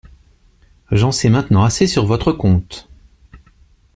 J’en sais maintenant assez sur votre compte…